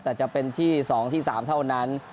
แต่จะเป็นที่๒ที่๓เท่านั้น